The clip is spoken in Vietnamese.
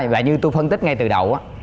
và như tôi phân tích ngay từ đầu á